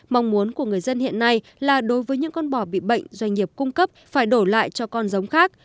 mong muốn của người dân hiện nay là đối với những con bò bị bệnh doanh nghiệp cung cấp phải đổi lại cho con giống khác